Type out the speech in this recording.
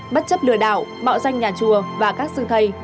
bất chấp lừa đảo mạo danh nhà chùa và các sư thầy